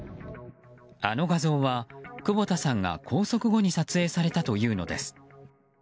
あの画像は久保田さんが拘束後に撮影されたというのです。